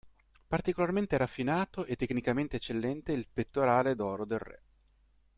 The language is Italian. Particolarmente raffinato e tecnicamente eccellente il pettorale d'oro del re.